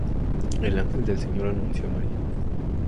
El ángel del Señor anunció a María.